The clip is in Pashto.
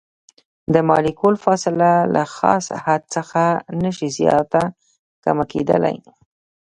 د مالیکول فاصله له خاص حد څخه نشي زیاته کمه کیدلی.